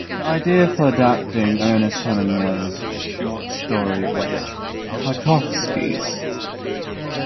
The idea for adapting Ernest Hemingway's short story was Tarkovsky's.